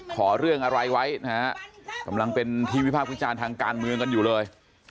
ขอเรื่องอะไรไว้นะฮะกำลังเป็นที่วิพากษ์วิจารณ์ทางการเมืองกันอยู่เลย